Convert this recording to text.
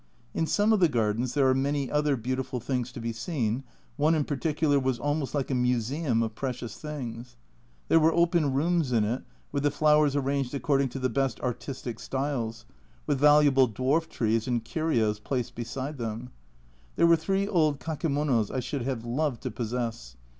In some of the gardens there are many other beautiful things to be seen, one in particular was almost like a museum of precious things. There were open rooms in it, with the flowers arranged according to the best artistic styles, with valuable dwarf trees and curios placed beside them ; there were three old kakemonos I should have loved to possess.